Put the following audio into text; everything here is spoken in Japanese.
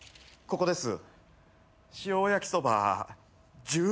ここです。